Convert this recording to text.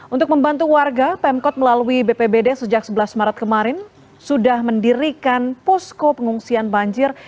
untuk membantu warga pemkot melalui bpbd sejak sebelas maret kemarin sudah mendirikan posko pengungsian banjir